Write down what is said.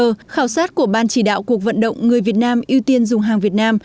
theo khảo sát của ban chỉ đạo cuộc vận động người việt nam ưu tiên dùng hàng việt nam